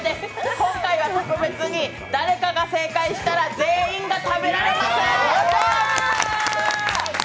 今回は特別に誰かが正解したら全員が食べられます！